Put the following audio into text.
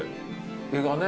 絵がね。